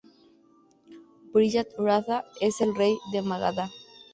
Brijad-Ratha era el rey de Magadha.